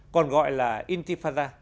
còn gọi là intifada